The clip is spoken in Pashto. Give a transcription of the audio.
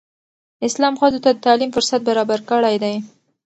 اسلام ښځو ته د تعلیم فرصت برابر کړی دی.